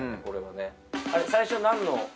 これはね最初何の？